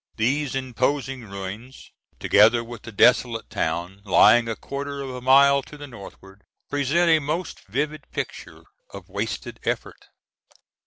These imposing ruins, together with the desolate town, lying a quarter of a mile to the northward, present a most vivid picture of wasted effort.